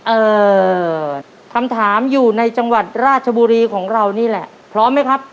เอ่อคำถามอยู่ในจังหวัดราชบุรีของเรานี่แหละพร้อมไหมครับ